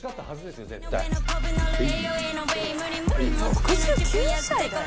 ６９歳だよ？